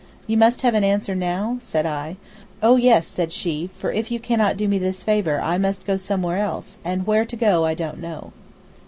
"You must have an answer now?" said I. "Oh, yes," said she, "for if you cannot do me this favor I must go somewhere else, and where to go I don't know."